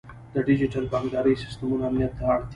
د ډیجیټل بانکدارۍ سیستمونه امنیت ته اړتیا لري.